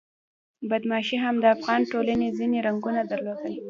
بدماشي هم د افغان ټولنې ځینې رنګونه درلودل.